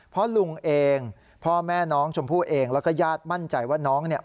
เพราะลุงเองพ่อแม่น้องชมพู่เองแล้วก็ญาติมั่นใจว่าน้องเนี่ย